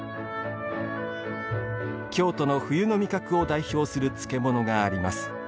京都の冬の味覚を代表する漬物があります。